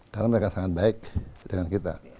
karena mereka sangat baik dengan kita